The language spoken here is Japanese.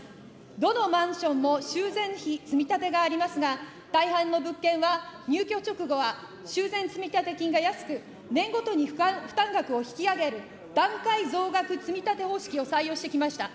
どのマンションも修繕費積立がありますが、大半の物件は入居直後は修繕積立金が安く、年ごとに負担額を引き上げる、段階増額積立方式を採用してきました。